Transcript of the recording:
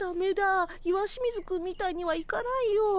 石清水くんみたいにはいかないよ。